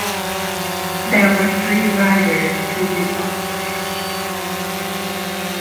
There were three riders who did not finish.